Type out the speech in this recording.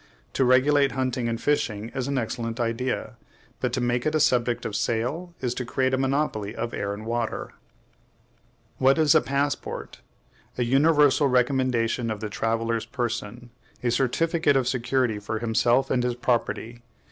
To regulate hunting and fishing is an excellent idea, but to make it a subject of sale is to create a monopoly of air and water. What is a passport? A universal recommendation of the traveller's person; a certificate of security for himself and his property.